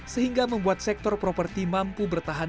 sehingga membuat sektor properti mampu bertahan